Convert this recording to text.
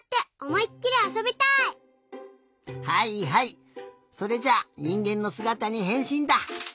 はいはいそれじゃあにんげんのすがたにへんしんだ！